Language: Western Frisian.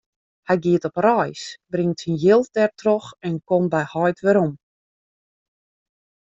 Hy giet op reis, bringt syn jild dertroch en komt by heit werom.